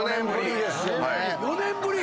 ４年ぶり